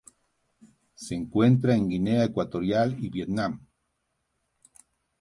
Se encuentra en Guinea Ecuatorial y Vietnam.